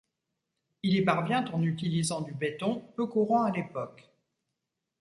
Il y parvient en utilisant du béton, peu courant à l'époque.